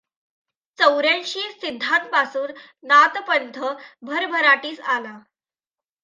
चौऱ्यांयशी सिद्धांपासून नाथपंथ भरभराटीस आला.